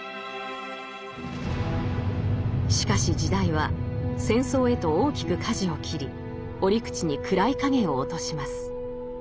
しかし時代は戦争へと大きくかじを切り折口に暗い影を落とします。